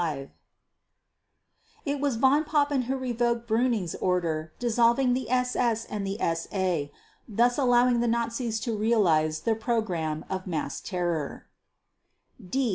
It was Von Papen who revoked Bruning's order dissolving the SS and the SA, thus allowing the Nazis to realize their program of mass terror (D 631).